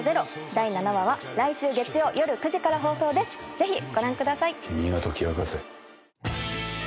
ぜひご覧ください。